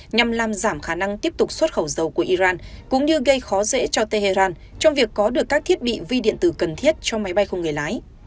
nhằm làm giảm khả năng tiếp tục xuất khẩu dầu của iran cũng như gây khó dễ cho tehran trong việc có được các thiết bị vi điện tử cần thiết cho máy bay không người lái